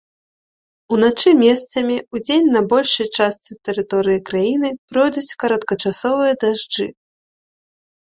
Уначы месцамі, удзень на большай частцы тэрыторыі краіны пройдуць кароткачасовыя дажджы.